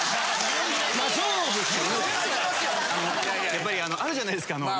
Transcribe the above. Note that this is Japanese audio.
やっぱりあるじゃないですか。